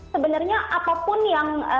sebenarnya apapun yang